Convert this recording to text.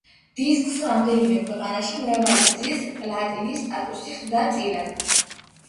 დისკს რამდენიმე ქვეყანაში მრავალი გზის პლატინის სტატუსი ხვდა წილად.